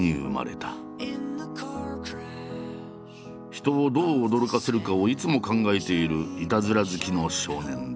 人をどう驚かせるかをいつも考えているいたずら好きの少年だった。